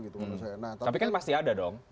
tapi kan masih ada dong